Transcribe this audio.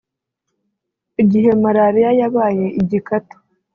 Igihe marariya yabaye igikatu